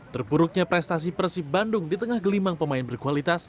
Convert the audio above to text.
terpuruknya prestasi persib bandung di tengah gelimang pemain berkualitas